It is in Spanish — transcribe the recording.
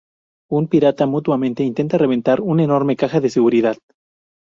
Un pirata mutante intenta reventar un enorme caja de seguridad.